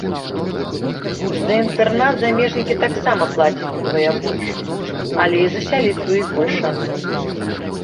За інтэрнат замежнікі таксама плацяць удвая больш, але і засяліцца ў іх больш шанцаў.